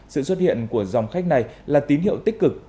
sự xuất hiện của dòng khách này là tín hiệu tích cực